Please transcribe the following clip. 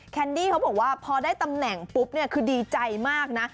แคนดี้เขาบอกว่าพอได้ตำแหน่งปุ๊บเนี่ยคือดีใจมากนะ